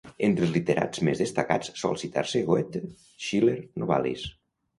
Entre els literats més destacats sol citar-se Goethe, Schiller, Novalis.